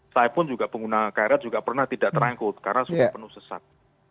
saya pun juga pengguna krl juga pernah tidak terangkut karena sudah penuh sesak